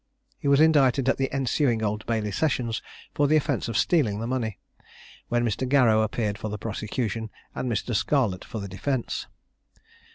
He was indicted at the ensuing Old Bailey Sessions for the offence of stealing the money, when Mr. Garrow appeared for the prosecution, and Mr. Scarlett for the defence.